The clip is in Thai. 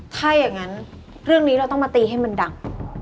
ถ้าอย่างนั้นเรื่องนี้เราต้องมาตีให้มันดัง